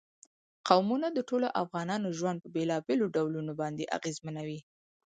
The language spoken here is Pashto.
قومونه د ټولو افغانانو ژوند په بېلابېلو ډولونو باندې اغېزمنوي.